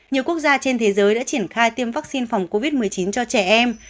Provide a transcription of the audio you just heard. nhiều quốc gia trên thế giới đã triển khai tiêm vaccine phòng covid một mươi chín cho trẻ em